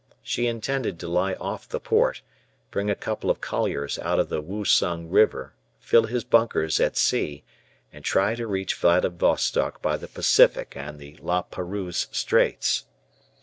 He intended to lie off the port, bring a couple of colliers out of the Woosung River, fill his bunkers at sea, and try to reach Vladivostock by the Pacific and the La Pérouse Straits.